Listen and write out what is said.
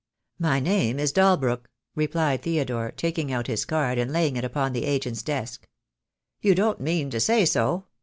"My name is Dalbrook," replied Theodore, taking out his card and laying it upon the agent's desk. "You don't mean to say so!